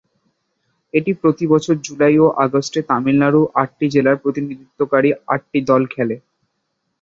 এটি প্রতি বছর জুলাই ও আগস্টে তামিলনাড়ুর আটটি জেলার প্রতিনিধিত্বকারী আট টি দল খেলে।